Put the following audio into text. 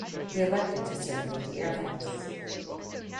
He elected to serve with the Air Force.